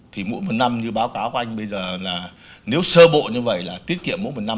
thì mỗi một năm như báo cáo của anh bây giờ là nếu sơ bộ như vậy là tiết kiệm mỗi một năm